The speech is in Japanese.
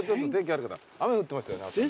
雨降ってましたよね朝ね。